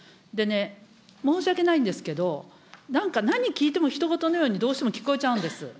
申し訳ないんですけれども、なんか、何聞いてもひと事のように、どうしても聞こえちゃうんです。